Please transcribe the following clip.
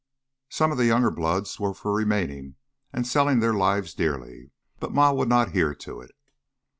Some of the younger bloods were for remaining and selling their lives dearly, but Ma would not hear to it.